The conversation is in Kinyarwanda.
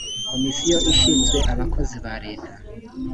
komisiyo ishinzwe abakozi ba leta